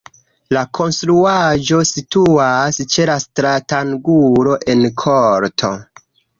La konstruaĵo situas ĉe stratangulo en korto.